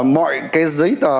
mọi giấy tờ